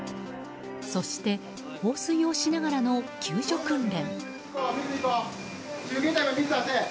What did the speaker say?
そして放水をしながらの救助訓練。